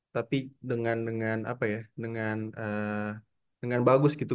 tapi dengan apa ya dengan bagus gitu